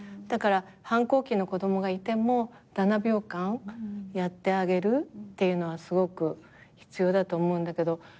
だから反抗期の子供がいても７秒間やってあげるっていうのはすごく必要だと思うんだけど。